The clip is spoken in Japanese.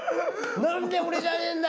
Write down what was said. なんで俺じゃねえんだ！